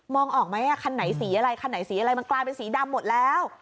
องออกไหมคันไหนสีอะไรคันไหนสีอะไรมันกลายเป็นสีดำหมดแล้ว